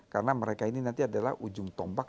karena mereka ini nanti adalah ujung tombak